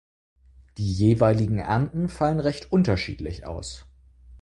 Die jeweiligen Ernten fallen recht unterschiedlich aus.